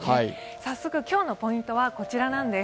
早速、今日のポイントはこちらなんです。